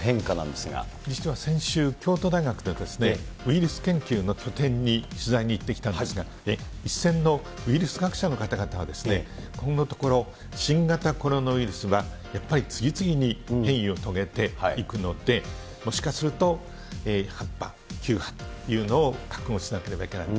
実は先週、京都大学で私ね、ウイルス研究の拠点に取材に行ってきたんですが、一線のウイルス学者の方々は、このところ、新型コロナウイルスはやっぱり次々に変異を遂げていくので、もしかすると８波、９波というのを覚悟しなければいけない。